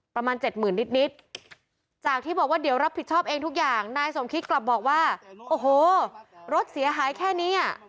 ประมาณเจ็ดหมื่นนิดจากที่บอกว่าเดี๋ยวรับผิดชอบเองทุกอย่างนายสมคิดกลับบอกว่าโอ้โหรถเสียหายแค่นี้อ่ะ